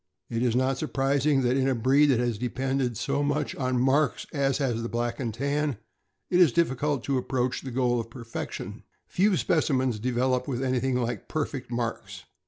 It is not surprising that in a breed that has depended so much on marks as has the Black and Tan, it is difficult to THE BLACK AND TAN TERRIER. 493 approach, the goal of perfection. Few specimens develop with anything like perfect marks.